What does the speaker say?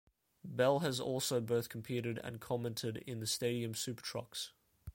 Bell has also both competed and commented in the Stadium Super Trucks.